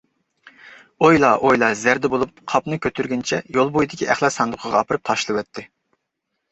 ئويلا-ئويلا زەردە بولۇپ، قاپنى كۆتۈرگىنىچە يول بويىدىكى ئەخلەت ساندۇقىغا ئاپىرىپ تاشلىۋەتتى.